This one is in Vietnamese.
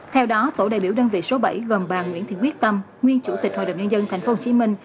theo đó tổ đại biểu đơn vị số bảy gồm bà nguyễn thị quyết tâm nguyên chủ tịch hội đồng nhân dân tp hcm